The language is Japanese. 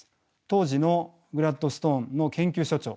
当時のグラッドストーンの研究所長。